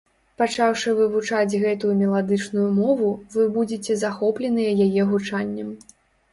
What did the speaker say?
Пачаўшы вывучаць гэтую меладычную мову, вы будзеце захопленыя яе гучаннем.